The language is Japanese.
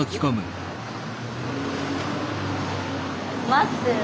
待ってる。